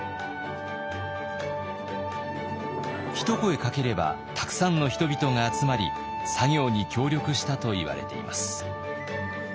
一声かければたくさんの人々が集まり作業に協力したといわれています。